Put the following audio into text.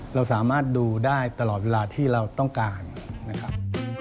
เราสามารถดูได้ตลอดเวลาที่เราต้องการนะครับ